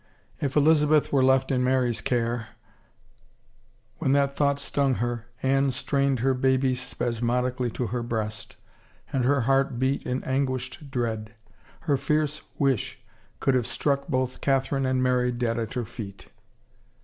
If Eliza beth were left in Mary's care —! When that thought stung her, Anne strained her baby spasmodically to her breast and her heart beat in anguished dread. Her fierce wish could have struck both Catherine and Mary dead at her feet.